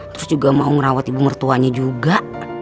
terus juga mau ngerawat ibu mertuanya juga